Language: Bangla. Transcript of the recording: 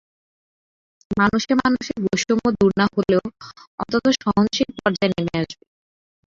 মানুষে মানুষে বৈষম্য দূর না হলেও অন্তত সহনশীল পর্যায়ে নেমে আসবে।